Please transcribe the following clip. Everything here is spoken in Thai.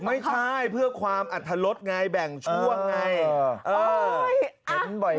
ไม่ใช่เพื่อความอัธรสไงแบ่งช่วงไง